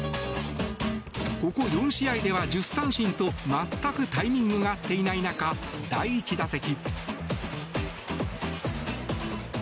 ここ４試合では１０三振と全くタイミングが合っていない中第１打席。